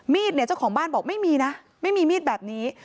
เนี่ยเจ้าของบ้านบอกไม่มีนะไม่มีมีดแบบนี้